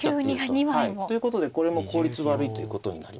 急に２枚も。ということでこれも効率悪いということになります。